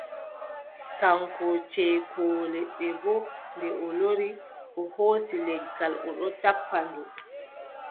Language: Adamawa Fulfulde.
Kaŋko ceekoowo leɗɗe boo, nde o lori, o hoosi leggal o ɗon tappa ndu.